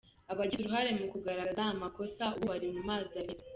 Abagize uruhare mu kugaragaza amakosa ubu bari mu mazi abira!